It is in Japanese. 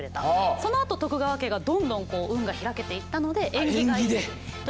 そのあと徳川家がどんどん運が開けていったので縁起がいいということで毎年食べる。